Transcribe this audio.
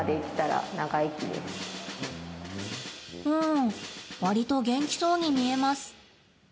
うん、わりと元気そうに見えます。